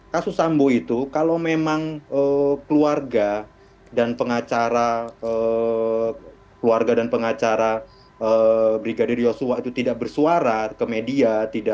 kasus sambo itu kalau memang keluarga dan pengacara keluarga dan pengacara brigadir yosua itu tidak bersuara ke media